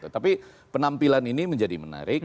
tapi penampilan ini menjadi menarik